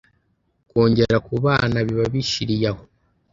kongera kubana biba bishiriye aho